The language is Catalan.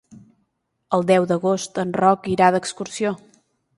El deu d'agost en Roc irà d'excursió.